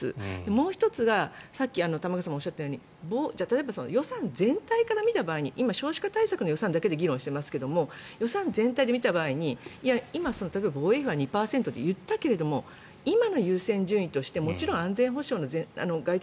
もう１つが、さっき玉川さんもおっしゃったように予算全体で見た時に今、少子化対策の予算だけで議論していますけれど予算全体で見た場合に今、防衛費は２％と言ったけども今の優先順位としてもちろん安全保障の外的